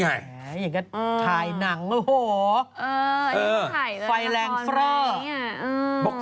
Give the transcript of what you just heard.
แหละอย่างนั้นถ่ายหนังโอ้โฮ